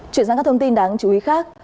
chuyển sang các thông tin đáng chú ý khác